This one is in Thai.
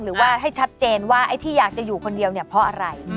หรือว่าให้ชัดเจนว่าไอ้ที่อยากจะอยู่คนเดียวเนี่ยเพราะอะไร